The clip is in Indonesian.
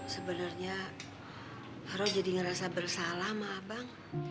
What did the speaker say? sebenernya rho jadi ngerasa bersalah sama abang